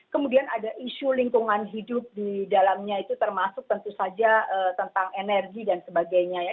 kemudian ada isu lingkungan hidup di dalamnya itu termasuk tentu saja tentang energi dan sebagainya ya